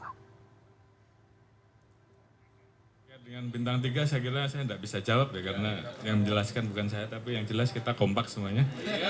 kait dengan bintang tiga saya kira saya tidak bisa jawab ya karena yang menjelaskan bukan saya tapi yang jelas kita kompak semuanya